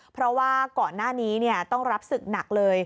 เพราะว่าก่อนหน้านี้ต้องรับศึกหนักเลย